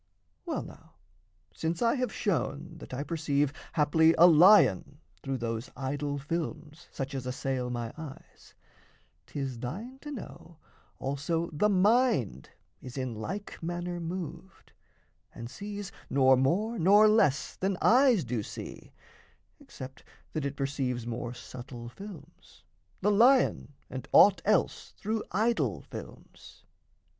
Well, now, since I have shown that I perceive Haply a lion through those idol films Such as assail my eyes, 'tis thine to know Also the mind is in like manner moved, And sees, nor more nor less than eyes do see (Except that it perceives more subtle films) The lion and aught else through idol films.